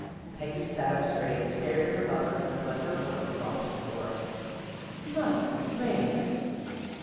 " Peggy sat up straight, stared at her mother, and let her work drop to the floor. " Mother Raymond!